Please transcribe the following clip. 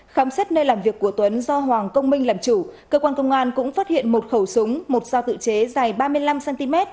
khám xét nơi làm việc của tuấn do hoàng công minh làm chủ cơ quan công an cũng phát hiện một khẩu súng một dao tự chế dài ba mươi năm cm